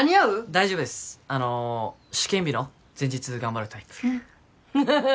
大丈夫ですあの試験日の前日頑張るタイプああ